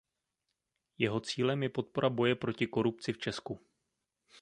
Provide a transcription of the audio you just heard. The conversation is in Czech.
Jeho cílem je podpora boje proti korupci v Česku.